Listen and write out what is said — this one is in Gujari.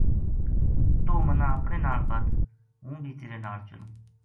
توہ منا اپنے ناڑ بَدھ ہوں بھی تیرے ناڑ چلوں ‘‘